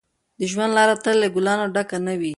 د ژوند لاره تل له ګلانو ډکه نه وي.